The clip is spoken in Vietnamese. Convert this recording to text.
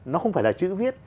nó không phải là chữ viết